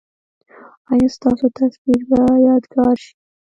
ایا ستاسو تصویر به یادګار شي؟